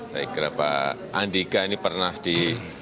saya kira pak andika ini pernah di